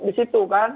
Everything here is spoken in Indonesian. di situ kan